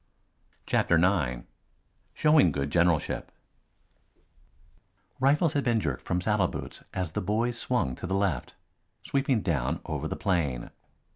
CHAPTER IX SHOWING GOOD GENERALSHIP Rifles had been jerked from saddle boots as the boys swung to the left, sweeping down over the plain.